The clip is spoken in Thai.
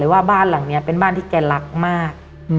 ว่าบ้านหลังนี้เป็นบ้านที่แกรักมาก